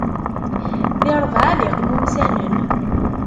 Di rebɛa d iqmumsanen.